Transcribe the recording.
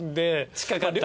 近かった？